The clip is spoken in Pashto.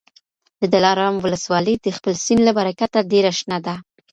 د دلارام ولسوالي د خپل سیند له برکته ډېره شنه ده.